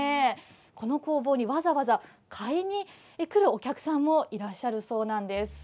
この工房にわざわざ買いに来るお客さんもいらっしゃるそうなんです。